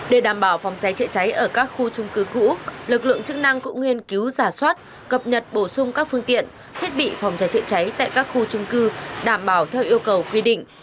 để đảm bảo phòng cháy chữa cháy ở các khu trung cư cũ lực lượng chức năng cũng nghiên cứu giả soát cập nhật bổ sung các phương tiện thiết bị phòng cháy chữa cháy tại các khu trung cư đảm bảo theo yêu cầu quy định